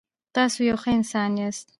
تاسو یو ښه انسان یاست.